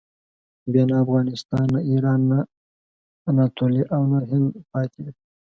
بیا نه افغانستان، نه ایران، نه اناتولیه او نه هند پاتې وي.